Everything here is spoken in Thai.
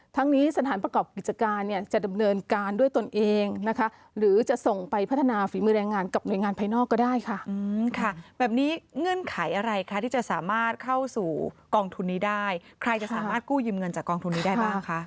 ถ้าที่จะสามารถเข้าสู่กองทุนนี้ได้ใครจะสามารถกู้ยืมเงินจากกองทุนนี้ได้บ้างคะ